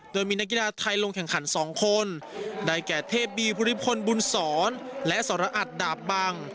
โดยมีนักกีฤทธิ์ไทยลงแข่งขันสองคนได้แก่เทพบิวภูริพลบุญสอนและสระอัดดาบบัง